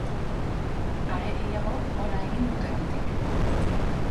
Are gehiago gola egin dutenetik.